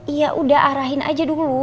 iya udah arahin aja dulu